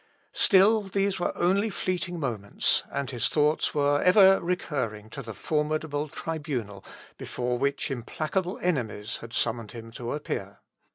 Still, these were only fleeting moments, and his thoughts were ever recurring to the formidable tribunal before which implacable enemies had summoned him to appear.